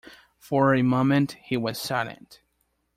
For a moment he was silent.